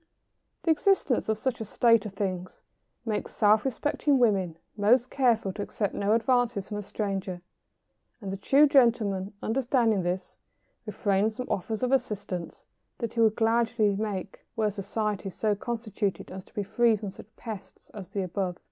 ] The existence of such a state of things makes self respecting women most careful to accept no advances from a stranger, and the true gentleman, understanding this, refrains from offers of assistance that he would gladly make were society so constituted as to be free from such pests as the above.